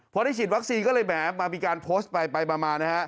พอได้ฉีดวัคซีนก็เลยแหมมามีการโพสต์ไปไปมานะฮะ